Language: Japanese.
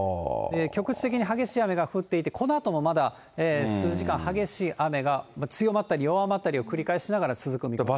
局地的に激しい雨が降っていて、このあともまだ数時間、激しい雨が強まったり、弱まったりを繰り返しながら続く見込みです。